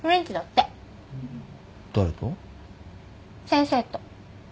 先生と。